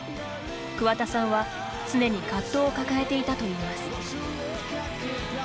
桑田さんは常に葛藤を抱えていたといいます。